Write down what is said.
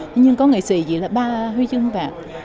thế nhưng có nghệ sĩ chỉ là ba huy chương vàng